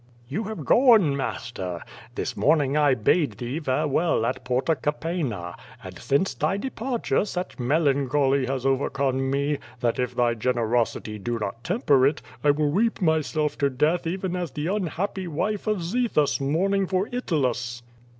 *'You have gone, master! This morning 1 bade thee fare well at Porta Capena, and since thy departure such melan choly has overcome nie, that if thy generosity do not temper it, I will weep myself to death even as the unhappy wife of Zethus mourning for Itylus."